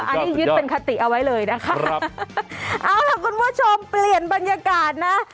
อันนี้ยึดเป็นคติเอาไว้เลยนะคะเอาล่ะคุณผู้ชมเปลี่ยนบรรยากาศนะ